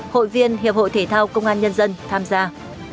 hội viên hiệp hội thể thao công an nhân dân tham gia